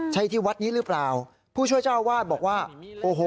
ใช่ที่วัดนี้หรือเปล่าผู้ช่วยเจ้าวาดบอกว่าโอ้โห